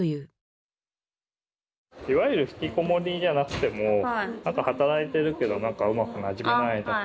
いわゆるひきこもりじゃなくても働いてるけどなんかうまくなじめないとか。